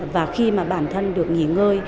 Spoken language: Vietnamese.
và khi mà bản thân được nghỉ ngơi